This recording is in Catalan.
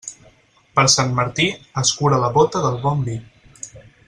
Per Sant Martí, escura la bóta del bon vi.